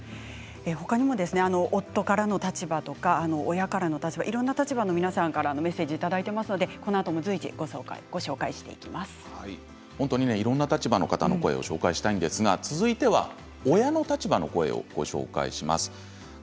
他にも夫からの立場とか親からの立場いろいろな立場の皆さんからメッセージをいただいていますのでこのあともいろいろな立場の方の声をご紹介したいんですが続いては親の立場の声をご紹介します。